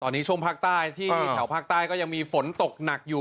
ตอนนี้ช่วงภาคใต้ที่แถวภาคใต้ก็ยังมีฝนตกหนักอยู่